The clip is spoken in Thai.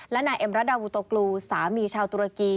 และนายเอ็มระดาวูโตกลูสามีชาวตุรกี